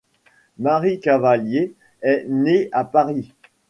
Marie Cavallier est née à Paris.